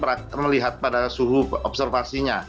kita melihat pada suhu observasinya